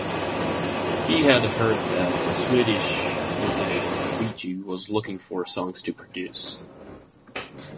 He had heard that Swedish musician Avicii was looking for songs to produce.